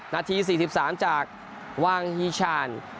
นาที๔๓จากวางฮีชาน